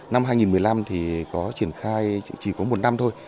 năm hai nghìn một mươi năm thì có triển khai chỉ có một năm thôi